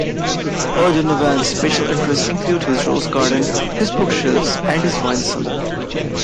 O'Donovan's special interests included his rose garden, his bookshelves and his wine cellar.